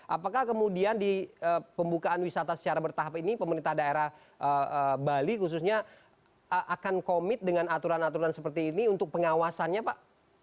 apakah kemudian di pembukaan wisata secara bertahap ini pemerintah daerah bali khususnya akan komit dengan aturan aturan seperti ini untuk pengawasannya pak